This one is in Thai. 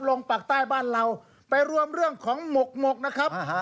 ลงปากใต้บ้านเราไปรวมเรื่องของหมกหมกนะครับ